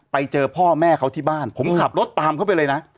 ไปเจอพ่อแม่เขาที่บ้านผมขับรถตามเขาไปเลยนะ